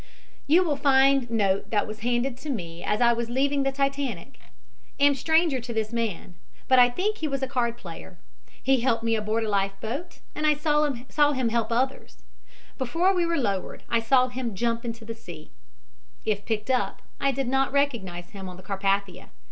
"You will find note that was handed to me as I was leaving the Titanic. Am stranger to this man, but think he was a card player. He helped me aboard a life boat and I saw him help others. Before we were lowered I saw him jump into the sea. If picked up I did not recognize him on the Carpathia.